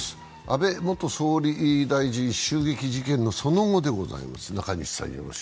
安倍元総理大臣襲撃のその後でございます。